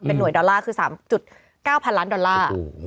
หน่วยดอลลาร์คือ๓๙๐๐ล้านดอลลาร์